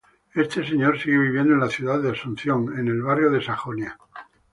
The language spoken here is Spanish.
Este señor sigue viviendo en la ciudad de Asunción, en el barrio Sajonia.